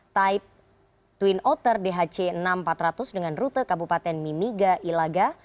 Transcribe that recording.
type twin otter dhc enam ratus empat ratus dengan rute kabupaten mimiga ilaga